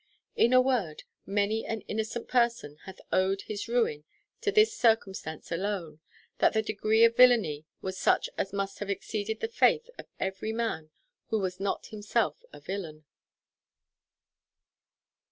In a word, many an innocent person hath owed his ruin to this circumstance alone, that the degree of villany was such as must have exceeded the faith of every man who was not himself a villain.